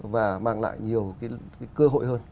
và mang lại nhiều cơ hội hơn